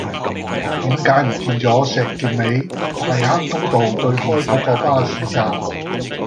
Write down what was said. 點解唔見左石硤尾大坑東道對開嗰個巴士站